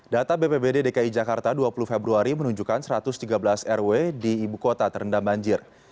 data bpbd dki jakarta dua puluh februari menunjukkan satu ratus tiga belas rw di ibu kota terendam banjir